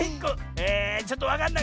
えちょっとわかんない。